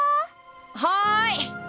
はい。